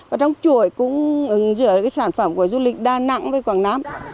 và trong chuỗi cũng giữa sản phẩm của du lịch đà nẵng với quảng nam